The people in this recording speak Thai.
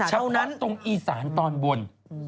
เฉพาะตรงอีสานตอนบน